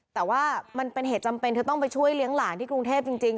แต่ว่ามันเป็นเหตุจำเป็นเธอต้องไปช่วยเลี้ยงหลานที่กรุงเทพจริง